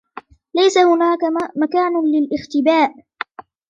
ليس هناك مكان للاختباء.